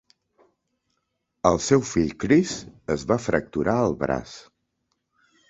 El seu fill Chris es va fracturar el braç.